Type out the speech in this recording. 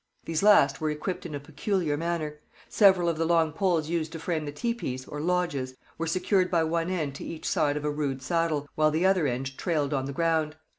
These last were equipped in a peculiar manner. Several of the long poles used to frame the teepees, or lodges, were secured by one end to each side of a rude saddle, while the other end trailed on the ground.